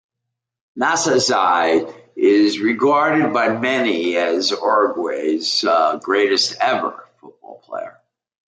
Nasazzi is regarded by many as Uruguay's greatest ever football player.